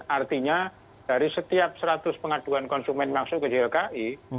maksudnya dari setiap seratus pengaduan konsumen masuk ke ilki